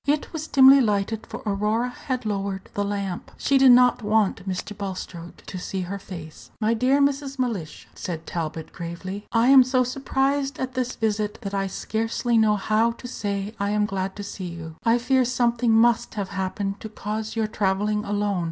It was dimly lighted, for Aurora had lowered the lamp. She did not want Mr. Bulstrode to see her face. "My dear Mrs. Mellish," said Talbot, gravely, "I am so surprised at this visit that I scarcely know how to say I am glad to see you. I fear something must have happened to cause your travelling alone.